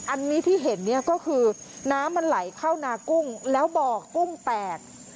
อันนี้ที่เห็นเนี่ยก็คือน้ำมันไหลเข้านากุ้งแล้วบ่อกุ้งแตก